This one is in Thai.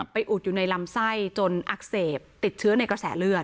อุดอยู่ในลำไส้จนอักเสบติดเชื้อในกระแสเลือด